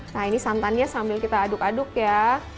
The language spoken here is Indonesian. nah ini santannya sambil kita aduk aduk ya